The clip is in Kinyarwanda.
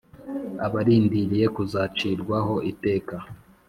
Abarindiriye kuzacirwaho iteka